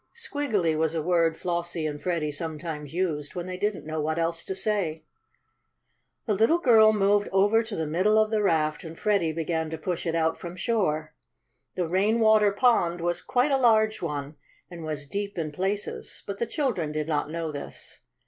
"Squiggily" was a word Flossie and Freddie sometimes used when they didn't know else to say. The little girl moved over to the middle of the raft and Freddie began to push it out from shore. The rain water pond was quite a large one, and was deep in places, but the children did not know this.